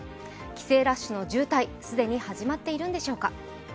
帰省ラッシュの渋滞、既に始まっているんでしょうか？